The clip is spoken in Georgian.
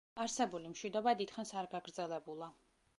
არსებული მშვიდობა დიდხანს არ გაგრძელებულა.